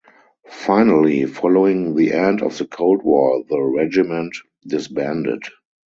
Finally following the end of the Cold War the regiment disbanded.